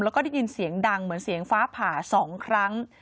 แล้วก็ได้ยินเสียงดังเหมือนเสียงฟ้าผ่า๒ครั้ง